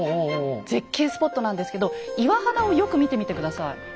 絶景スポットなんですけど岩肌をよく見てみて下さい。